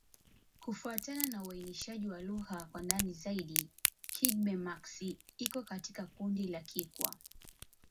Kufuatana na uainishaji wa lugha kwa ndani zaidi, Kigbe-Maxi iko katika kundi la Kikwa.